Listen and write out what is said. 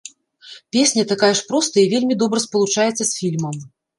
Песня такая ж простая і вельмі добра спалучаецца з фільмам.